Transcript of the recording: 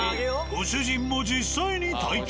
ご主人も実際に体験。